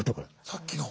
さっきの？